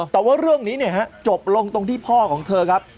แต่ว่าเรื่องนี้จบลงตรงที่พ่อของเธอครับ